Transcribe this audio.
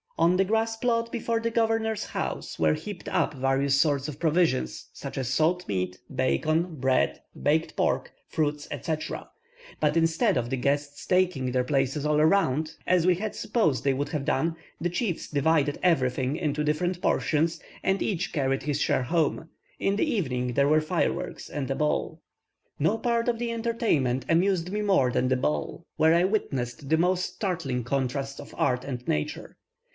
On the grass plot before the governor's house were heaped up various sorts of provisions, such as salt meat, bacon, bread, baked pork, fruits, etc.; but instead of the guests taking their places all around, as we had supposed they would have done, the chiefs divided everything into different portions, and each carried his share home. In the evening there were fireworks, and a ball. No part of the entertainment amused me more than the ball, where I witnessed the most startling contrasts of art and nature.